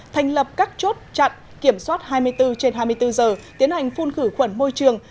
thành lập các chốt chặn kiểm soát hai mươi bốn trên hai mươi bốn giờ tiến hành phun khử khuẩn môi trường